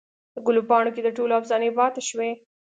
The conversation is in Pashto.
دګلو پاڼوکې دټولو افسانې پاته شوي